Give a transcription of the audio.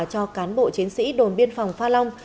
cho cán bộ chiến sĩ đồn biên phòng pha long